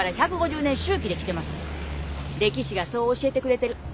歴史がそう教えてくれてる。